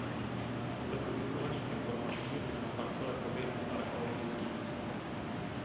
Podle publikovaných informací měl na parcele proběhnout archeologický výzkum.